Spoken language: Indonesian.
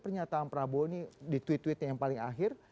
pernyataan prabowo ini di tweet tweetnya yang paling akhir